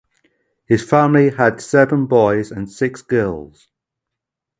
His family had seven boys and six girls.